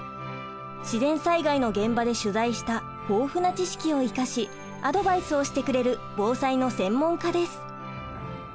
自然災害の現場で取材した豊富な知識を生かしアドバイスをしてくれる防災の専門家です。